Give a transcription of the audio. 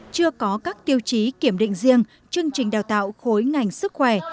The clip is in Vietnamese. chưa có các tiêu chí kiểm định riêng chương trình đào tạo khối ngành sức khỏe